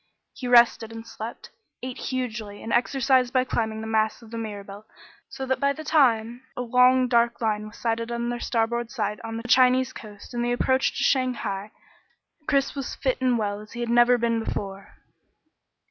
He rested and slept, ate hugely, and exercised by climbing up the masts of the Mirabelle, so that by the time a long dark line was sighted on their starboard side on the Chinese coast and the approach to Shanghai, Chris was fit and well as he had never been before.